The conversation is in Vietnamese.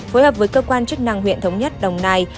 phối hợp với cơ quan chức năng huyện thống nhất đồng nai